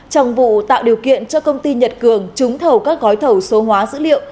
trong vụ tạo điều kiện cho công ty nhật cường trúng thầu các gói thầu số hóa dữ liệu